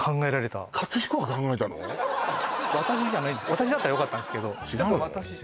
私だったらよかったんですけど違うの？